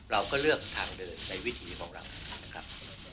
เราก็เลือกทางเดินในวิถีของเรานะครับ